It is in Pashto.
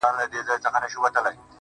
گلابي شونډي يې د بې په نوم رپيږي~